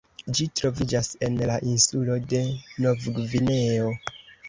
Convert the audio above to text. Ĝi troviĝas en la insulo de Novgvineo.